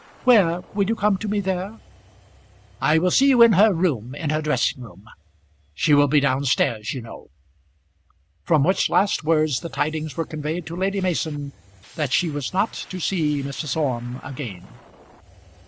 "Where? will you come to me there?" "I will see you in her room, in her dressing room. She will be down stairs, you know." From which last words the tidings were conveyed to Lady Mason that she was not to see Mrs. Orme again.